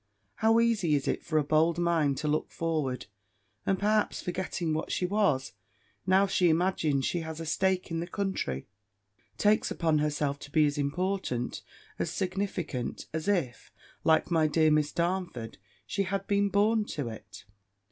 How easy is it for a bold mind to look forward, and, perhaps, forgetting what she was, now she imagines she has a stake in the country, takes upon herself to be as important, as significant, as if, like my dear Miss Darnford, she had been born to it!